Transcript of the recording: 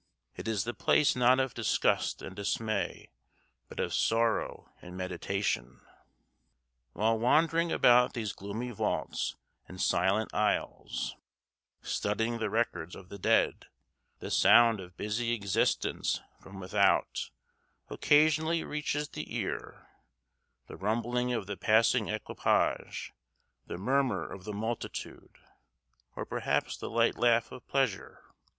It is the place not of disgust and dismay, but of sorrow and meditation. While wandering about these gloomy vaults and silent aisles, studying the records of the dead, the sound of busy existence from without occasionally reaches the ear the rumbling of the passing equipage, the murmur of the multitude, or perhaps the light laugh of pleasure.